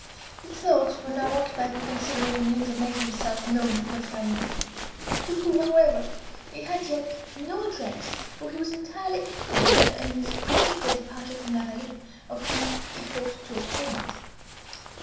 His thoughts were now occupied in considering the means of making himself known to her family, to whom, however, he had yet no address, for he was entirely ignorant of Emily's precipitate departure from La Vallée, of whom he hoped to obtain it.